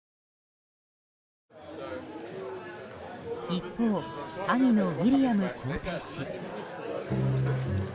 一方、兄のウィリアム皇太子。